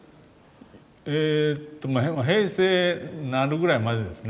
えっと平成になるぐらいまでですね。